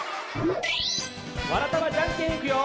わらたまジャンケンいくよ！